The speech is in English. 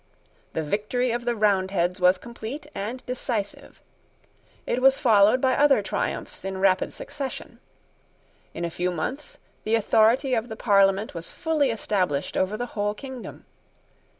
The victory of the Roundheads was complete and decisive. It was followed by other triumphs in rapid succession. In a few months the authority of the Parliament was fully established over the whole kingdom.